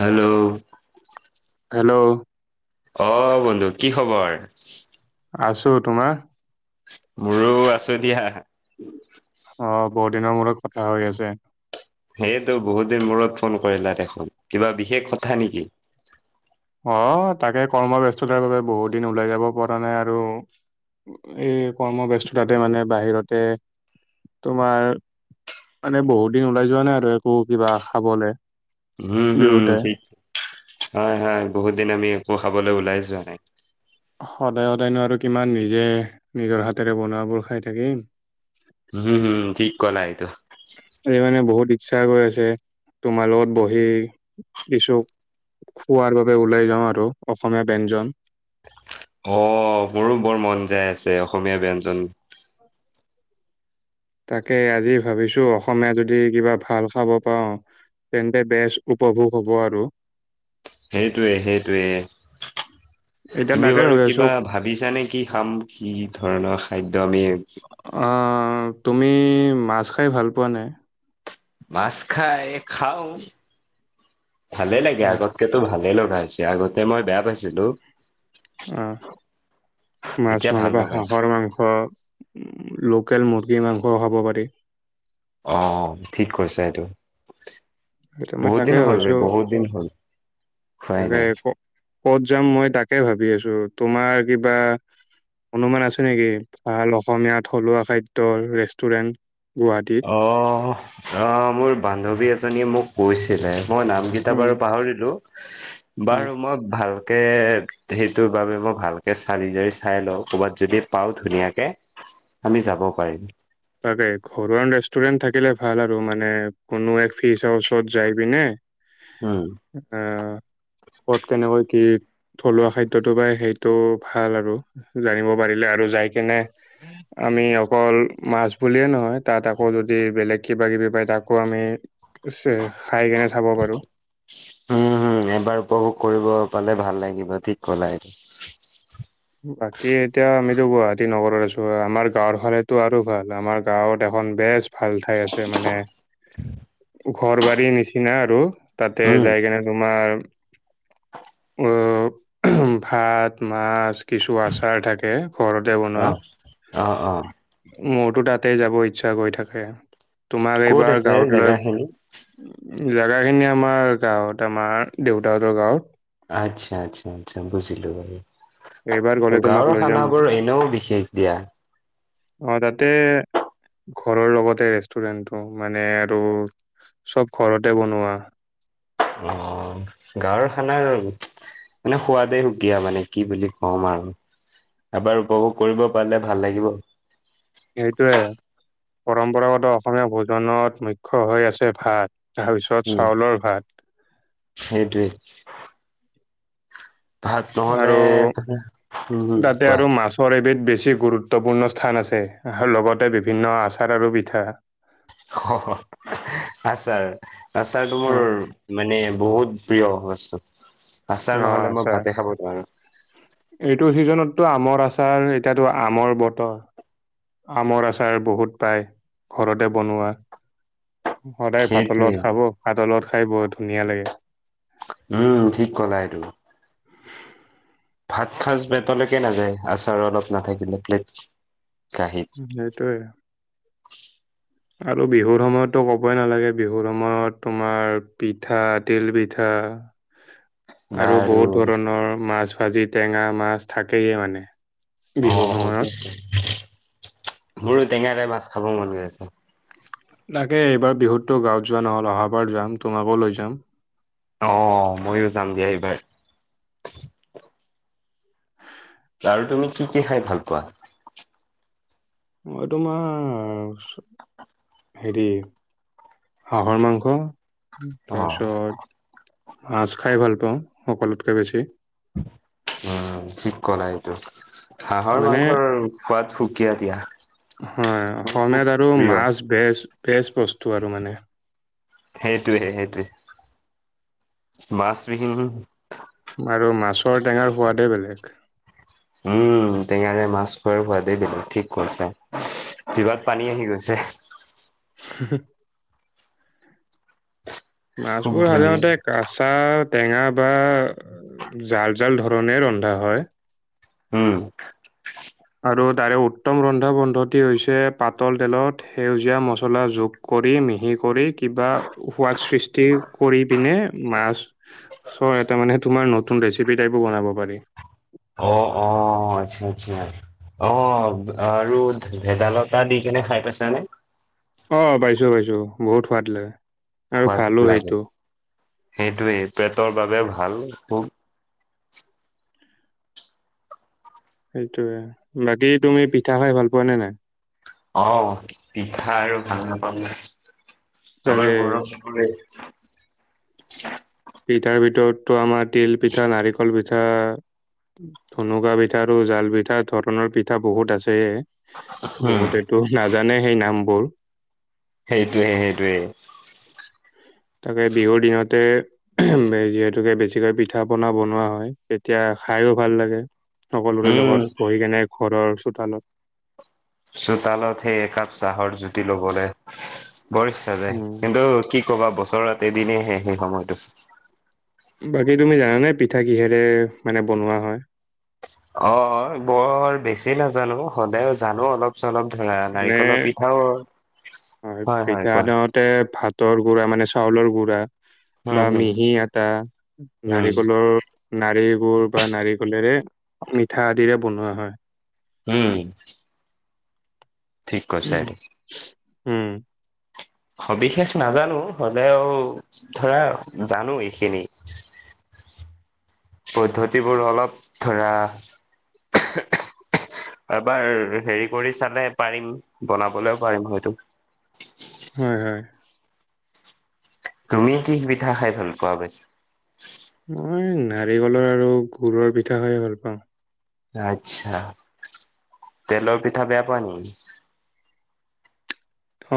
Hello hello অ বন্ধু কি খবৰ আছো তোমাৰ মোৰো আছো দিয়া অ বহুত দিনৰ মূৰত কথা হৈ আছে সেইটো বহুত দিন মূৰত ফোন কৰিলা দেখোন কিবা বিশেষ কথা নেকি অ তাকে কৰ্মব্যস্ততাৰ বাবে বহুত দিন ওলাই যাব পৰা নাই আৰু এই কৰ্ম ব্যস্ততাতে মানে বাহিৰতে তোমাৰ মানে বহুত দিন ওলাই যোৱা নাই আৰু একো কিবা খাবলে হম হুম দুয়োটাই ঠিক হয় হয় বহুত দিন আমি একো খাবলৈ ওলাই যোৱা নাই সদায় সদায়নো আৰু কিমান নিজে নিজৰ হাতেৰে বনোৱাবোৰ খাই থাকিম উম হুম ঠিক ক'লা এইটো সেইটো কাৰণে বহুত ইচ্ছা গৈ আছে তোমাৰ লগত বহি কিছু খোৱাৰ বাবে ওলাই যাওঁ আৰু অসমীয়া ব্যঞ্জন অ মোৰো বৰ মন যায় আছে অসমীয়া ব্যঞ্জন তাকে আজি ভাবিছো অসমীয়া যদি কিবা ভাল খাব পাওঁ তেন্তে বেজ উপভোগ হ'ব আৰু সেইটোৱে সেইটোৱে এতিয়া তুমি তাকে বাৰু ভাবি আছোঁ কিবা ভাবিছা নে কি খাম কি ধৰণৰ খাদ্য আমি তুমি মাছ খাই ভাল পোৱা নাই মাছ খাই খাওঁ ভালে লাগে আৰু এতিয়াতো ভালেই লগা হৈছে আগতে মই বেয়া পাইছিলো অ মাছ এতিয়া ভাল নহলে বা লগাইছে হাঁহৰ মাংস লোকেল মুৰ্গী মাংসও খাব পাৰি অ ঠিক কৈছা এইটো সেইটো মই বহুত তাকে দিন হল ভাবিছোঁ বহুত দিন হল খোৱাই তাকে নাই ক- ক'ত যাম মই তাকে ভাবি আছো। তোমাৰ কিবা অনুমান আছে নেকি? ভাল অসমীয়া থলুৱা খাদ্যৰ ৰেষ্টুৰেন্ট গুৱাহাটী অ, অ, মোৰ বান্ধৱী এজনীয়ে মোক কৈছিলে মই নাম কেইটা উম, বাৰু পাহৰিলো, উম। বাৰু মই ভালকে - সেইটোৰ বাবে, মই ভালকে চালি জাৰি চাই লওঁ, কৰ'বাত যদি পাও ধুনীয়াকে। আমি যাব পাৰিম। তাকে, ঘৰুৱা ৰেষ্টুৰেণ্ট থাকিলে ভাল আৰু মানে কোনো এক ফিচৰ ওচৰত যাই পিনে [inaudible] উম। আহ, ক'ত কেনেকৈ কি থলুৱা খাদ্যটো বাই সেইটো ভাল আৰু, জানিব পাৰিলে আৰু যাই কেনে আমি অকল মাছ বুলিয়ে নহয়, তাত আকৌ যদি বেলেগ কিবা-কিবি পায়, তাকো আমি খাই কেনে চাব পাৰো। উম, হুম, এবাৰ উপভোগ কৰিব পালে ভাল লাগিব, ঠিক ক'লা এইটো। বাকী এতিয়া আমিতো গুৱাহাটী নগৰত আছোঁ, আমাৰ গাঁৱৰ ফালেতো আৰু ভাল আমাৰ গাঁৱত এখন বেষ্ট। ভাল ঠাই আছে মানে, ঘৰ বাৰীৰ নিচিনা আৰু তাতে উম যাই কেনে তোমাৰ উম, ভাত, মাছ, কিছু আচাৰ থাকে। ঘৰতে বনোৱা। অ', অ অ',। মোৰতো তাতে যাব ইচ্ছা গৈ থাকে। তোমাক ক'ত এইবাৰ আছে গাঁৱত লৈ জেগাখিনি জাগাখিনি আমাৰ গাঁৱত আমাৰ দেউতাহঁতৰ গাঁৱত। আচ্ছা আচ্ছা আচ্ছা, বুজিলোঁ এইবাৰ গ'লে বাৰু। তোমাক গাঁৱৰ লৈ যাম। মই। খানাবোৰ এনেও বিশেষ দিয়া। অ', তাতে ঘৰৰ লগতে ৰেষ্টুৰেণ্টটো, মানে আৰু চব ঘৰতে বনোৱা। অ'। গাঁৱৰ খানাৰ মানে সোৱাদে সুকীয়া মানে কি বুলি ক'ম আৰু। এবাৰ উপভোগ কৰিব পাৰিলে ভাল লাগিব। এইটোৱে, পৰম্পৰাগত অসমীয়া ভোজনত মুখ্য হৈ আছে ভাত। তাৰপিছত চাউলৰ ভাত। সেইটোৱেই। নহ'লে আৰু উম, হম, তাতে কোৱা। আৰু মাছ বৰ এবিধ বেছি গুৰুত্বপূৰ্ণ স্থান আছে, আৰু লগতে বিভিন্ন আচাৰ আৰু পিঠা। অ', আছাৰ- আছাৰ তো মোৰ - মানে বহুত প্ৰিয় বস্তু, অ আচাৰ নহ'লে মই আচাৰ ভাতে খাব নোৱাৰো। এইটো ছিজনতটো আমৰ আচাৰ এতিয়াটো আমৰ বতৰ। আমৰ আচাৰ বহুত পায় ঘৰতে বনোৱা। সদায় ভাতৰ সেইটোৱে। লগত খাব ভাতৰ লগত খাই বৰ ধুনীয়া লাগে। উম', ঠিক কলা এইটো। ভাত সাঁচ পেটলৈকে নাযায় আচাৰ অলপ নাথাকিলে, প্লেট কাঁহীত। সেইটোৱে। আৰু বিহুৰ সময়তো ক'বই নালাগে বিহুৰ সময়ত তোমাৰ পিঠা তিল পিঠা। আৰু লাৰু বহুত ধৰণৰ মাছ ভাজি টেঙা, মাছ থাকেই মানে। বিহুৰ সময়ত। মোৰো টেঙাৰে মাছ খাব মন গৈ আছে। তাকে এইবাৰ বিহুততো গাঁৱত যোৱা নহ'ল, অহাবাৰ যাম, তোমাকো লৈ যাম। অ' ময়ো যাম দিয়া এইবাৰ। আৰু তুমি কি কি খাই ভাল পোৱা? মই তোমাৰ হেৰি হাঁহৰ মাংস অ তাৰপিছত মাছ খাই ভাল পাওঁ সকলোতকে বেছি। অ' ঠিক কৰা এইটো। হাঁহৰ মানে মাংসৰ সোৱাদ সুকীয়া দিয়া, মোৰ খুব প্ৰিয়। বেছ, বেছ বস্তু আৰু মানে। সেইটোয়ে, সেইটোৱে। মাছবিহীন আৰু মাছৰ টেঙাৰ সোৱাদেই বেলেগ। উম, টেঙাৰে মাছ খোৱা খোৱাদেই বেলেগ, ঠিক কৈছা, জিভাত পানী আহি গৈছে। [inaudible] খুব মাছবোৰ ধুনীয়া সাধাৰণতে আচাৰ টেঙা বা জাল জাল ধৰণে ৰন্ধা হয়। উম। আৰু তাৰে উত্তম ৰন্ধা পদ্ধতি হৈছে পাতল তেলত সেউজীয়া মচলা যোগ কৰি, মিহি কৰি, কিবা সোৱাদ সৃষ্টি কৰি পিনে মাছ ছৰ এটা মানে তোমাৰ নতুন ৰেচিপি টাইপো বনাব পাৰি। অ', অ'। অ' আচ্ছা আচ্ছা। অ' আৰু ভে-ভেদাইলতা দি কেনে খাই পাইছানে? অ' পাইছোঁ পাইছোঁ, বহুত সোৱাদ লাগে। আৰু ভালো সোৱাদ লাগে। সেইটো সেইটোৱেই পেটৰ বাবে ভাল খুব। সেইটোয়ে। বাকী তুমি পিঠা খাই ভাল পোৱানে নাই? অ' পিঠা আৰু ভাল নাপামনে। আমাৰ তাকে গৌৰব [inaudible] পিঠাৰ ভিতৰততো আমাৰ তিল পিঠা, নাৰিকল পি পিঠা, ধুনুকা পিঠা আৰু জাল পিঠা ধৰণৰ পিঠা বহুত আছে। উম, বহুতেতো নাজানে সেই নামবোৰ। সেইটোৱে সেইটোৱে। তাকে বিহুৰ দিনতে যিহেতুকে বেছিকৈ পিঠা পনা বনোৱা হয়, তেতিয়া খাইও ভাল লাগে। সকলোৰে উম, লগত বহি কেনে ঘৰৰ চোতালত। চোতালত সেই একাপ চাহৰ জুতি লবলৈ বৰ ইচ্ছা যায় উম, কিন্তু কি ক'বা বছৰত এটা দিনে আহে সেই সময়টো। বাকী তুমি জানানে পিঠা কিহেৰে মানে বনোৱা হয়? অ', অ' বৰ বেছি নাজানো, হ'লেও জানো অলপ। চলপ ধৰা মানে নাৰিকলৰ পিঠাও। হয়, হয়, কোৱা। তে ভাতৰ গুড়া মানে চাউলৰ গুড়া। উম, বা হম, মিহি আটা, উম, নাৰিকলৰ নাৰিকুৰ বা নাৰিকলেৰে মিঠা আদিৰে বনোৱা হয়। উম। ঠিক কৈছা এইটো। উম, সবিশেষ নাজানো হলেও, ধৰা জানো এইখিনি। পদ্ধতিবোৰ অলপ ধৰা এবাৰ হেৰি কৰি চালে পাৰিম, বনাবলৈও পাৰিম হয়তো। হয়', হয়',। তুমি কি পিঠা খাই ভাল পোৱা বেছি? মই নাৰিকলৰ আৰু গুৰৰ পিঠা খাই ভাল পাওঁ। আচ্ছা, তেলৰ পিঠা বেয়া পোৱা নি?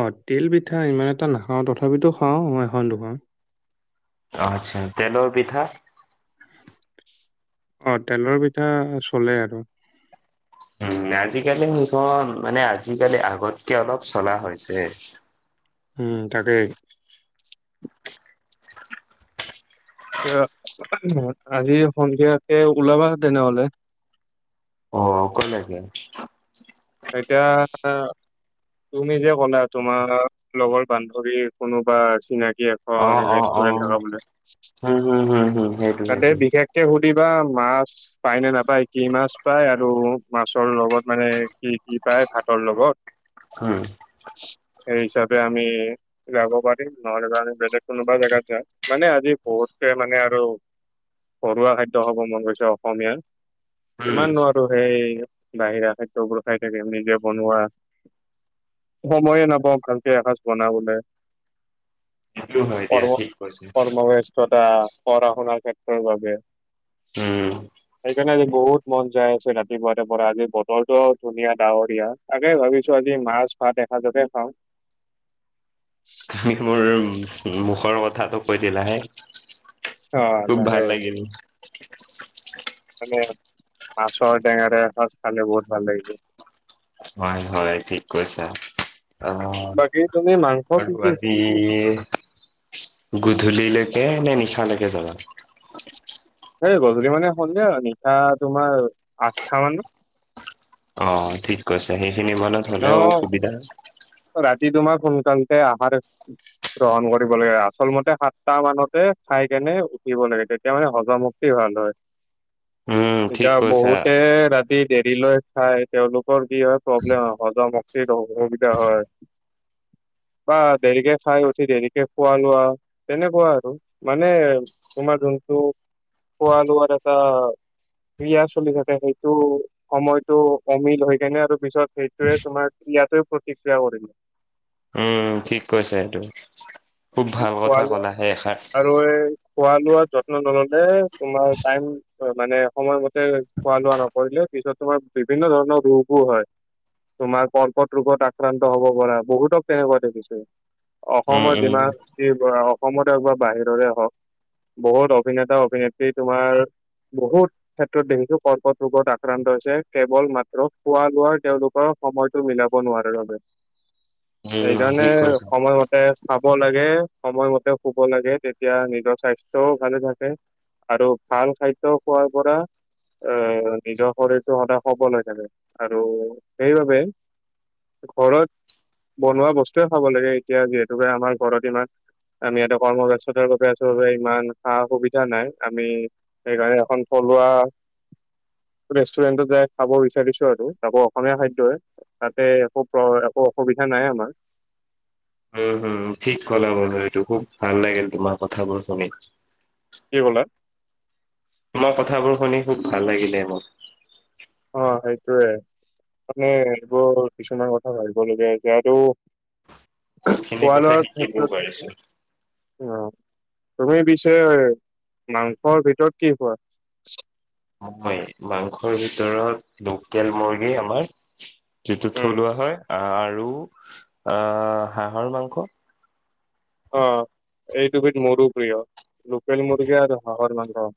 অ' তিল পিঠা ইমান এটা নাখাওঁ, তথাপিতো খাওঁ এখন দুখন। অ', আচ্ছা, তেলৰ পিঠা? অ', তেলৰ পিঠা চলে আৰু। উম', আজিকালি সেইখন, মানে আজিকালি আগতকে অলপ চলা হৈছে। উম', তাকে। এ' আজি সন্ধিয়াকে ওলাবা তেনেহলে। অ' কলে যাবি? এতিয়া তুমি যে কলা তোমাৰ, লগৰ বান্ধৱী কোনোবা চিনাকি আ' অ', ৰেষ্টুৰেন্ট থকা বোলি, হম হম হম হম সেইটো তাতে সেইটো বিশেষ ভালকে সুধিবা, মাছ পায় নে নাপায় কি মাছ পায়, আৰু মাছৰ লগত মানে কি কি পায় ভাতৰ লগত। উম', সেইহিচাপে আমি যাব পাৰিম নহলে আমি বেলেগ কোনোবা জাগাত যাম, মানে আজি বহুতে মানে আৰু ঘৰুৱা খাদ্য খাব মন গৈছে অসমীয়াৰ উম কিমানো আৰু হেৰি বাহিৰা খাদ্যবোৰ খাই থাকিম, নিজে বনোৱা সময়ে নাপাওঁ ভালকৈ এখাজ বনাবলে। সেইটো হয় দিয়া কৰ্ম- ঠিক কৈছে কৰ্ম ব্যস্ততা, পঢ়া-শুনাৰ ক্ষেত্ৰৰ বাবে। উম। সেইকাৰণে আজি বহুত মন যায় আছে ৰাতিপুৱা পৰা আজি বতৰ ত'ধুনীয়া ডাৱৰীয়া, তাকে ভাবিছো আজি মাছ, ভাত এক ভাতকে খাওঁ। মোৰ মুখৰ কথাটো কৈ দিলাহে। অ', খুব জানে। ভাল লাগিল তাকে মাছৰ টেঙা- টেঙা এখাজ খালে বহুত ভাল লাগিব। হয়', হয়', ঠিক কৈছা, অ' বাকী তুমি মাংস আৰু কি কি আজি খোৱা ই' গধূলিলৈকে নে নিশালৈকে যাবা? এই গধূলি মানে, সন্ধিয়া আৰু নিশা তোমাৰ আঠটা মানত। অ', ঠিক কৈছে সেইখিনি মনত হ'লেও ন সুবিধা আছে। ৰাতি তোমাৰ সোনকালতে আহাৰ গ্ৰহণ কৰিব লাগে আচল মতে, সাতটা মানতে খাই কেনে উঠিব লাগে তে তেতিয়া মানে হজম শক্তি ভাল হয়, উম ঠিক এতিয়া কৈছা বহুতে ৰা ৰাতি দেৰি লৈ খাই তেওঁলোকৰ কি হয়, প্ৰব্লেম হয় হজম শক্তিত অসুবি হয়', বা দেৰিকে খাই উঠি দেৰিকে খোৱা লোৱা তেনেকুৱা আৰু মানে, তোমাৰ যোনটো খোৱা-লোৱাৰ এটা ক্ৰিয়া চলি থাকে সেইটো সময়টো অমিল হৈ যায় না আৰু পিছত, সেইটোয়ে তোমাৰ ক্ৰিয়াতে প্ৰতিক্ৰিয়া কৰি উম ঠিক কৈছে এইটো, খুব ভাল খোৱা কথা কলা সেষা আৰু এই খোৱা লোৱা যত্ন নললে তোমাৰ টাইম হয় মানে সময়মতে খোৱা লোৱা নকৰিলে পিছত তোমাৰ বিভিন্ন ধৰণৰ ৰোগও হয়। তোমাৰ কৰ্কট ৰোগত আক্ৰান্ত হব পৰা, বহুতক তেনেকুৱা দেখিছোঁ। উম অসমৰ উম যিমান যি বনাওক অসমতে হওঁক বা বাহিৰৰে হওঁক বহুত অভিনেতা-অভিনেত্ৰী তোমাৰ বহুত ক্ষেত্ৰত দেখিছো কৰ্কট ৰোগত আক্ৰান্ত হৈছে, কেৱল মাত্ৰ খোৱা লোৱাৰ তেওঁলোকৰ সময়টো মিলাব নোৱাৰাৰ বাবে উম সেইকাৰণে ঠিক কৈছা সময় ম তে খাব লাগে, সময়মতে শুব লাগে তেতিয়া নিজৰ স্বাস্থ্যও ভালে থাকে আৰু ভাল খাদ্য খোৱাৰ পৰা এ নিজৰ শৰীৰটো সদায় সবল হৈ থাকে আৰু সেইবাবে ঘৰত বনোৱা বস্তুয়ে খাব লাগে এতিয়া যিহেতুকে আমাৰ ঘৰত ইমান আমি এটা কৰ্মব্যস্ততাৰ বাবে আছলতে ইমান সা-সুবিধা নাই আমি সেইকাৰণে এখন থলুৱা ৰেষ্টুৰেণ্টত যাই খাব বিচাৰিছো আৰু তাকৌ অসমীয়া খাদ্যহে তাতে একো প্ৰ একো অসুবিধা নাই আমাৰ উম হুম ঠিক কলা বন্ধু এইটো খুব ভাল লাগিল তোমাৰ কথাবোৰ শুনি। কি ক'লা? তোমাৰ কথাবোৰ শুনি খুব ভাল লাগিলে মো। অ সইটোৱে মানে এইবোৰ কিছুমান কথা ভাবিবলগীয়া এতিয়া এইটো বহুত খিনি কথা শিকিবও পাৰিছো উম তুমি পিছে মাংসৰ ভিতৰত কি খোৱা? মই মাংসৰ ভিতৰত লোকেল মুৰ্গী আমাৰ যিহেতু উম, থলুৱা হয় আৰু আহ হাঁহৰ মাংস অ এইদুবিধ মোৰো প্ৰিয় লোকেল মুৰ্গী আৰু হাঁহৰ মাংস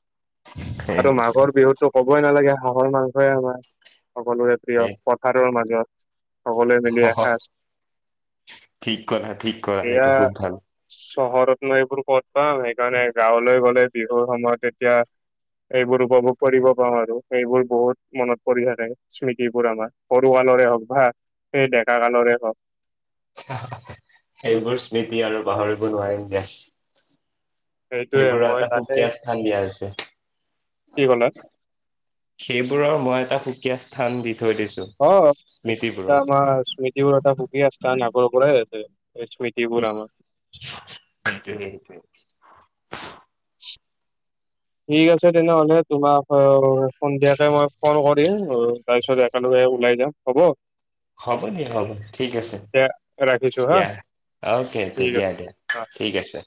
আৰু মাঘৰ বিহুতটো ক'বই নালাগে হাঁহৰ মাংসই আমাৰ সকলোৰে প্ৰিয় এ পথ থাৰৰ মাজত সকলোৱে মিলি এসাঁজ, ঠিক কৰা ঠিক কৰা এয়া সেইটো খুব ভাল চহৰত নো এইবোৰ ক'ত পাম, সেইকাৰণে গাঁৱলৈ গ'লে বিহুৰ সময়ত তেতিয়া এইবোৰ উপভোগ কৰিব পাওঁ আৰু সেইবোৰ বহুত মনত পৰি থাকে স্মৃতিবোৰ আমাৰ সৰু কালৰে হওঁক বা সেই ডেকা কালৰে হক সেইবোৰ স্মৃতি আৰু পাহৰিব নোৱাৰিম দিয়া। সেইটোয়ে সেইবোৰৰ মই এটা তাতে সুকীয়া স্থান দিয়া কি ক'লা? হৈছে। সেইবোৰৰ মই এটা সুকীয়া স্থান দি থৈ দিছো অ এ স্মৃতিবোৰৰ আমাৰ স্মৃতিবোৰৰ এটা সুখীয়া স্থান আগৰ পৰাই আছে স্মৃ তিবোৰ আমাৰ তাকে সেইটোৱে ঠিক আছে তেনেহ'লে তোমাক আৰু সন্ধিয়াতে মই ফোন কৰিম তাৰপিছত একেলগে ওলাই যাম হ'ব? হ'ব দিয়া হ'ব ঠিক আছে এতিয়া ৰাখিছো হা দিয়া, অকে অকে ঠিক দিয়া আছে। দিয়া। অ। ঠিক আছে